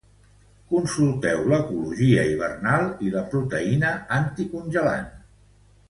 Consulteu l'ecologia hivernal i la proteïna anticongelant.